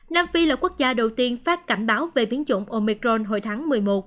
nam phi là quốc gia đầu tiên phát cảnh báo về biến chủng omicron hồi tháng một mươi một